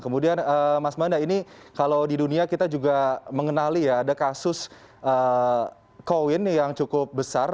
kemudian mas manda ini kalau di dunia kita juga mengenali ya ada kasus koin yang cukup besar